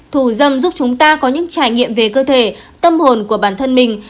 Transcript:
thù dâm giúp chúng ta có những trải nghiệm về cơ thể tâm hồn của bản thân mình